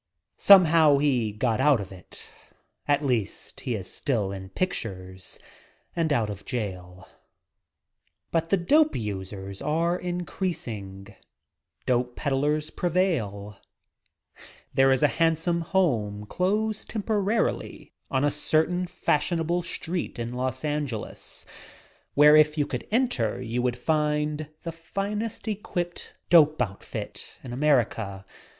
Somehow he got out of it. At least, he is still in pictures and out of jail. But the dope users are increasing; dope peddlars There is a handsome home, closed temporarily, on a certain fashionable street in Los An where if you could enter you would find the finest equipped dope outfit in America.